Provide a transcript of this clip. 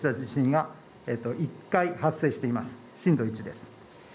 震度１です。